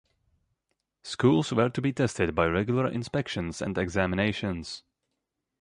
Schools were to be tested by regular inspections and examinations.